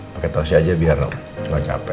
pakai tas aja biar ga capek